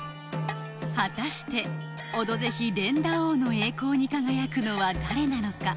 果たしてオドぜひ連打王の栄光に輝くのは誰なのか？